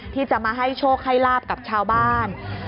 ที่จะมาให้โชคให้ลาบกับชาวบ้าน